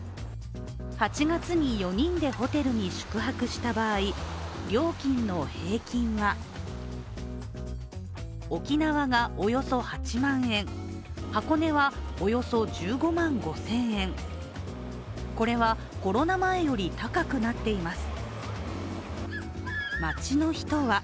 ８月に４人でホテルに宿泊した場合、料金の平均は沖縄がおよそ８万円、箱根はおよそ１５万５０００円、これはコロナ前より高くなっています。